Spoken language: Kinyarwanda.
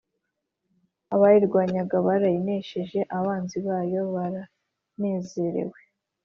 Abayirwanyaga barayinesheje, abanzi bayo baranezerewe,